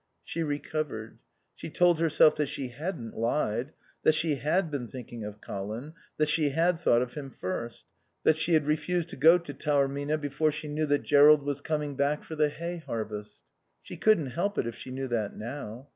She recovered. She told herself that she hadn't lied; that she had been thinking of Colin; that she had thought of him first; that she had refused to go to Taormina before she knew that Jerrold was coming back for the hay harvest. She couldn't help it if she knew that now.